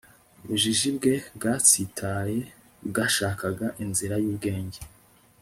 Ubujiji bwe bwatsitaye bwashakaga inzira yubwenge